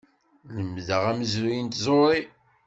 Lemmdeɣ amezruy n tẓuṛi.